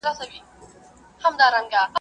سوی یم ایره سوم پروانې را پسي مه ګوره ,